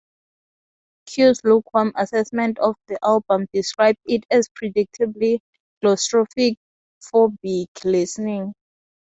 "Q"s lukewarm assessment of the album described it as "predictably claustrophobic listening".